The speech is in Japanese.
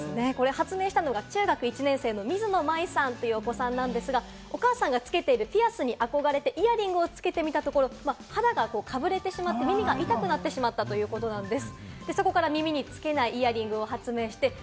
発明したのが中学１年生の水野舞さんというお子さんなんですが、お母さんがつけているピアスに憧れてイヤリングをつけてみたところ、肌がかぶれてしまって耳が痛くなってしまったということなんです。